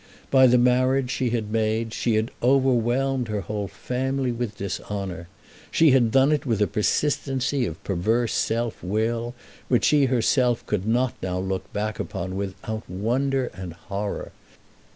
By the marriage she had made she had overwhelmed her whole family with dishonour. She had done it with a persistency of perverse self will which she herself could not now look back upon without wonder and horror.